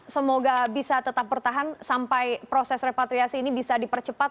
semoga bisa tetap bertahan sampai proses repatriasi ini bisa dipercepat